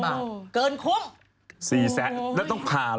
๔๖๘๐๐๐บาทแล้วต้องขาเหรอ